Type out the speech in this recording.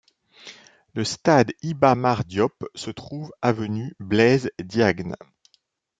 Le Stade Iba-Mar-Diop se trouve avenue Blaise Diagne.